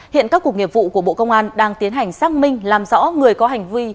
hiện các cuộc nghiệp vụ của bộ công an đang tiến hành xác minh làm rõ người có hành vi